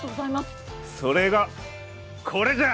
それが、これじゃ！